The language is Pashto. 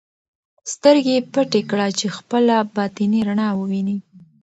سترګې پټې کړه چې خپله باطني رڼا ووینې.